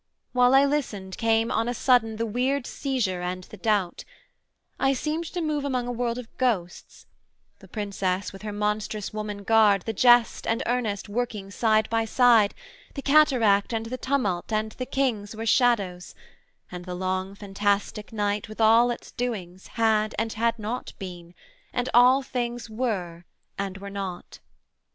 While I listened, came On a sudden the weird seizure and the doubt: I seemed to move among a world of ghosts; The Princess with her monstrous woman guard, The jest and earnest working side by side, The cataract and the tumult and the kings Were shadows; and the long fantastic night With all its doings had and had not been, And all things were and were not.